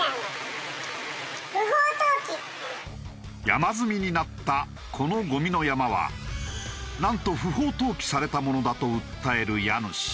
山積みになったこのゴミの山はなんと不法投棄されたものだと訴える家主。